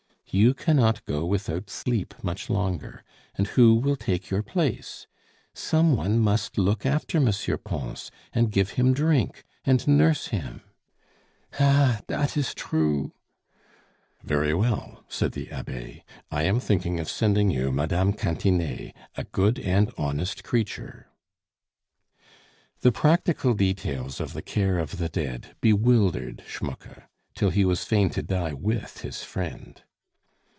"You cannot go without sleep much longer, and who will take your place? Some one must look after M. Pons, and give him drink, and nurse him " "Ah! dat is drue." "Very well," said the Abbe, "I am thinking of sending your Mme. Cantinet, a good and honest creature " The practical details of the care of the dead bewildered Schmucke, till he was fain to die with his friend.